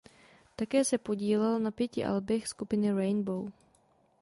Také se podílel na pěti albech skupiny Rainbow.